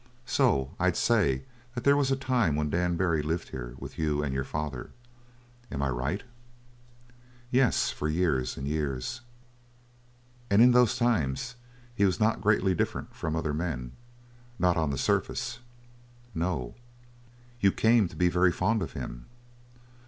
So I'd say that there was a time when Dan Barry lived here with you and your father. Am I right?" "Yes, for years and years." "And in those times he was not greatly different from other men. Not on the surface." "No." "You came to be very fond of him."